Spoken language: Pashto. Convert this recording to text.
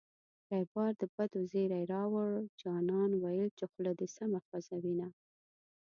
ریبار د بدو زېری راووړـــ جانان ویل چې خوله دې سمه خوزوینه